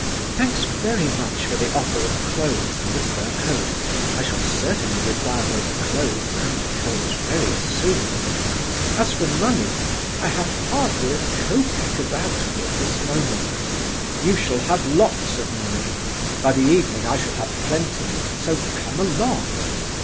Thanks very much for the offer of clothes and a fur coat; I certainly shall require both clothes and coat very soon. As for money, I have hardly a copeck about me at this moment." "You shall have lots of money; by the evening I shall have plenty; so come along!"